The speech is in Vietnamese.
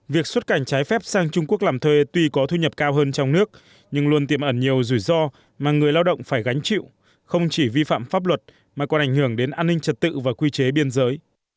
việc xuất cảnh trái phép sang trung quốc làm thuê tuy có thu nhập cao hơn trong nước nhưng luôn tiềm ẩn nhiều rủi ro mà người lao động phải gánh chịu không chỉ vi phạm pháp luật mà còn ảnh hưởng đến an ninh trật tự và quy chế biên giới